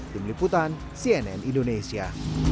dung liputan cnn indonesia